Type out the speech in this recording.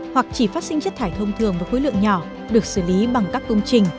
hoặc chỉ phát sinh chất thải thông thường với khối lượng nhỏ được xử lý bằng các công trình